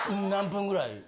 何分ぐらい？